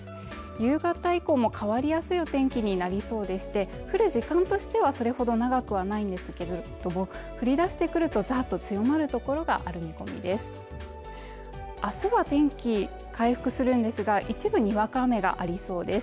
夕方以降も変わりやすいお天気になりそうでして降る時間としてはそれほど長くはないんですけどもう降り出してくるとざっと強まる所がある見込みです明日は天気回復するんですが一部にわか雨がありそうです